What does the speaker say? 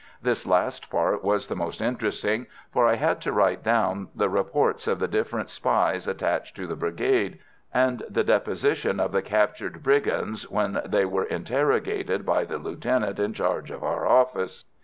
This last part was the most interesting, for I had to write down the reports of the different spies attached to the Brigade, and the depositions of the captured brigands when they were interrogated by the lieutenant in charge of our office.